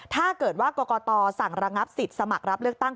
ถ้าเกิดว่ากรกตสั่งระงับสิทธิ์สมัครรับเลือกตั้ง